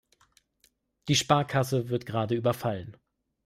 Die Sparkasse wird gerade überfallen.